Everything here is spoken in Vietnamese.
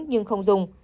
nhưng không dùng